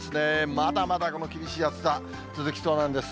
まだまだこの厳しい暑さ、続きそうなんです。